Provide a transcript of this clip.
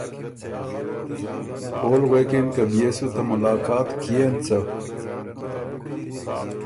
اول غوېکِن که ”بيې سو ته ملاقات کيېن څۀ؟“